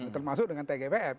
termasuk dengan tgpf